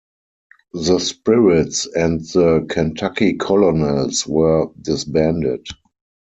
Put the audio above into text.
The Spirits and the Kentucky Colonels were disbanded.